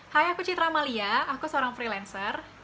hai aku citra malia aku seorang freelancer